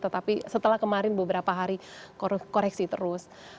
tetapi setelah kemarin beberapa hari koreksi terus